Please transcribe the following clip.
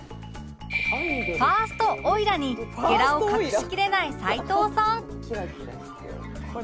ファースト「おいら」にゲラを隠しきれない齊藤さん